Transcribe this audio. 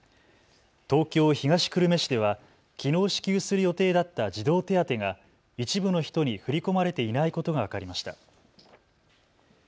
東京東久留米市ではきのう支給する予定だった児童手当が一部の人に振り込まれていないことが分かりました。